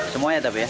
semuanya tapi ya